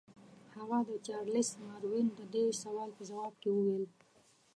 هغه د چارلس ماروین د دې سوال په ځواب کې وویل.